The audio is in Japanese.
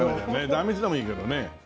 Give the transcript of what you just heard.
壇蜜でもいいけどね。